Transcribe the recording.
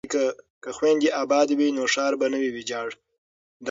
که خویندې ابادې وي نو ښار به نه وي ویجاړ.